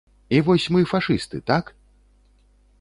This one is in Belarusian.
І вось мы фашысты, так?!